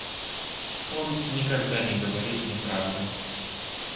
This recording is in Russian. Он никогда не говорит неправды.